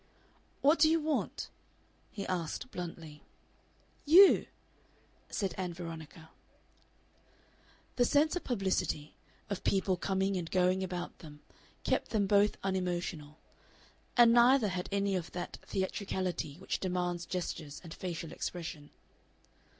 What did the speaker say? "What do you want?" he asked, bluntly. "You!" said Ann Veronica. The sense of publicity, of people coming and going about them, kept them both unemotional. And neither had any of that theatricality which demands gestures and facial expression.